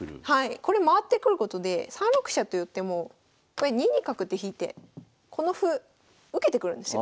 これ回ってくることで３六飛車という手もこれ２二角って引いてこの歩受けてくるんですよ。